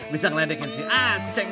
bisa ngeledekin si anjing